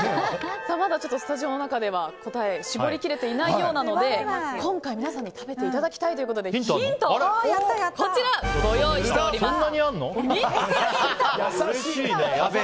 スタジオの中では答えが絞り切れていないようなので今回、皆さんに食べていただきたいということでそんなにあるの？